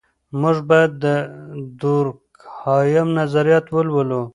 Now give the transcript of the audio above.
موږ باید د دورکهایم نظریات ولولو.